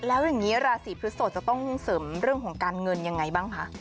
แล้วอย่างนี้ราศีพฤศพจะต้องเสริมเรื่องของการเงินยังไงบ้างคะ